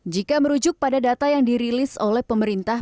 jika merujuk pada data yang dirilis oleh pemerintah